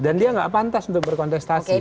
dan dia enggak pantas untuk berkontestasi